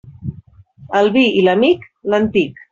El vi i l'amic, l'antic.